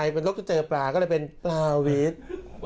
เป็นลูกจะเจอปลาก็เลยเป็นปลาวิทย์